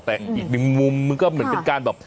แต่อีกหนึ่งมุมมันก็เหมือนเป็นการแบบ